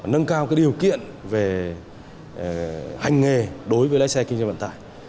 nâng cao điều kiện về hành nghề đối với lái xe kinh doanh vận tải